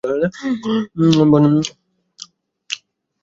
বন্যায় হতাহতের সংখ্যা প্রচুর।